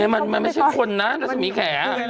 มันไม่ใช่คนนะรัศมีแข